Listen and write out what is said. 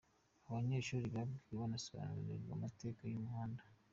Abo banyeshuri babwiwe banasobanuriwe amategeko y’umuhanda.